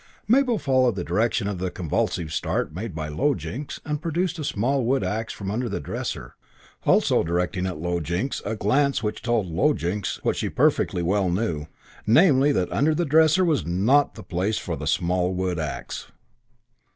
Mabel followed the direction of the convulsive start made by Low Jinks and produced the small wood axe from under the dresser, also directing at Low Jinks a glance which told Low Jinks what she perfectly well knew: namely that under the dresser was not the place for the small wood axe.